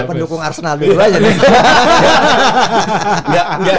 pendukung arsenal dulu aja